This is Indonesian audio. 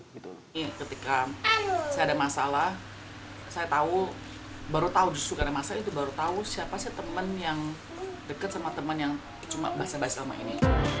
ketika saya ada masalah saya baru tahu siapa teman yang dekat sama teman yang cuma bahasa bahasa sama ini